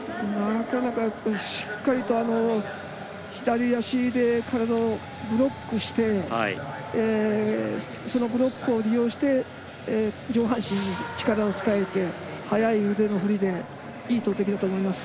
しっかりと左足で体をブロックしてそのブロックを利用して上半身に力を伝えて速い腕の振りでいい投てきだと思います。